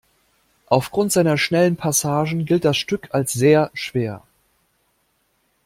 Aufgrund seiner schnellen Passagen gilt das Stück als sehr schwer.